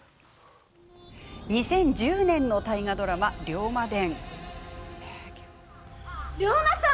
２０１０年の大河ドラマ「龍馬伝」。